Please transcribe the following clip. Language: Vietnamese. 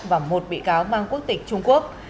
và một bị cáo mang quốc tịch trung quốc